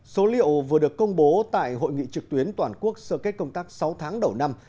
số liệu vừa được công bố tại hội nghị trực tuyến toàn quốc sơ kết công tác sáu tháng đầu năm